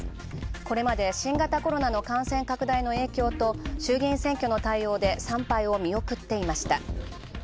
これまで新型コロナの感染拡大の影響と衆議院選挙の対応で参拝を見送っていました。